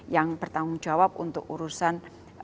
yang bertanggung jawab untuk urusan